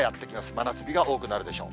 真夏日が多くなるでしょう。